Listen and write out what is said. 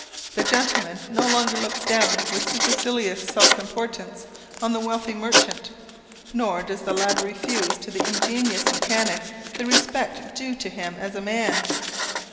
The gentleman no longer looks down with supercilious self importance on the wealthy merchant, nor does the latter refuse to the ingenious mechanic the respect due to him as a man.